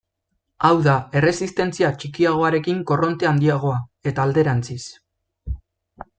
Hau da, erresistentzia txikiagoarekin korronte handiagoa, eta alderantziz.